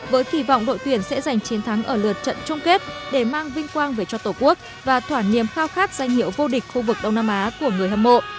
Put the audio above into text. với kỳ vọng đội tuyển sẽ giành chiến thắng ở lượt trận chung kết để mang vinh quang về cho tổ quốc và thỏa niềm khao khát danh hiệu vô địch khu vực đông nam á của người hâm mộ